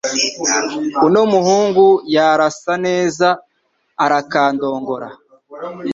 Uno muhungu yarasa neza arakandongora